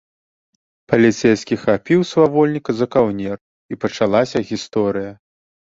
Паліцэйскі хапіў свавольніка за каўнер, і пачалася гісторыя.